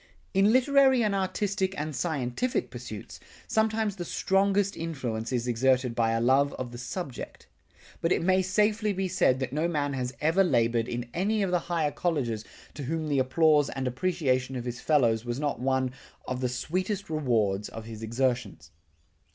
In literary and artistic and scientific pursuits, sometimes the strongest influence is exerted by a love of the subject. But it may safely be said that no man has ever labored in any of the higher colleges to whom the applause and appreciation of his fellows was not one of the sweetest rewards of his exertions.